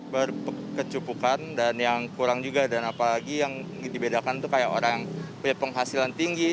berkecupukan dan yang kurang juga dan apalagi yang dibedakan itu kayak orang yang punya penghasilan tinggi